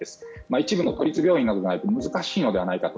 一部の都立病院でないと難しいのではないかと。